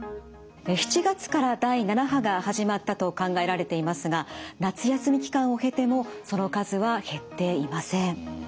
７月から第７波が始まったと考えられていますが夏休み期間を経てもその数は減っていません。